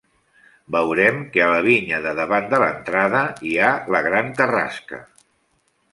Veurem que a la vinya de davant de l'entrada hi ha la gran carrasca.